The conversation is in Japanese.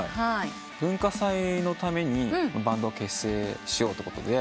文化祭のためにバンドを結成しようってことで。